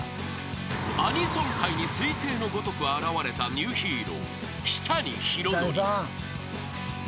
［アニソン界に彗星のごとく現れたニューヒーロー］